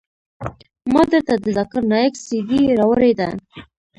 ما درته د ذاکر نايک سي ډي راوړې ده.